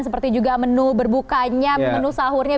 seperti juga menu berbukanya menu sahurnya